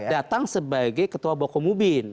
datang sebagai ketua boko mubin